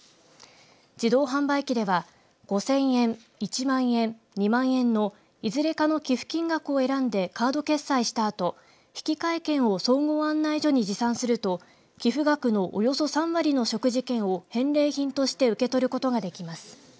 自動販売機では５０００円１万円、２万円いずれかの寄付金額を選んでカード決済したあと引換券を総合案内所に持参すると寄付額のおよそ３割の食事券を返礼品として受け取ることができます。